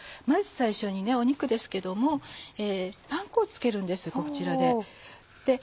まず最初に肉ですけどもパン粉をつけるんですこちらで。